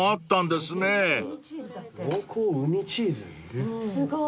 すごい。